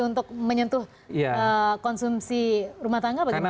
untuk menyentuh konsumsi rumah tangga bagaimana